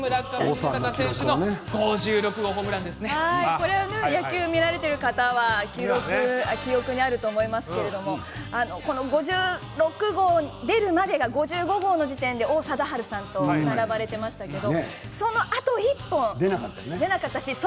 これは野球を見られている方は記憶にあると思いますけれどこの５６号、出るまでが５５号の時点で王貞治さんと並ばれていましたけどそのあと１本。出なかったね。